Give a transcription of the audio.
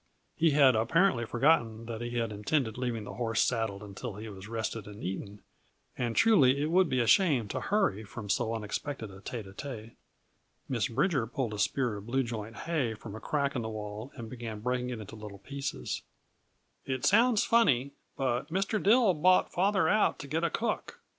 He had apparently forgotten that he had intended leaving the horse saddled until he had rested and eaten and truly it would be a shame to hurry from so unexpected a tête à tête. Miss Bridger pulled a spear of blue joint hay from a crack in the wall and began breaking it into tiny pieces. "It sounds funny, but Mr. Dill bought father out to get a cook.